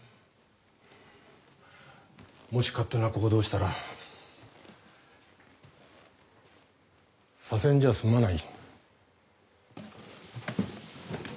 もし勝手な行動したら左遷じゃ済まない。